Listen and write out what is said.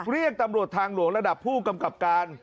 เรียกตำรวจทางหลวงระดับผู้กำกับการ